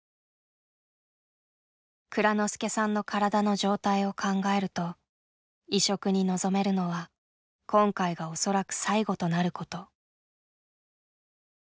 蔵之介さんの体の状態を考えると移植に臨めるのは今回がおそらく最後となること。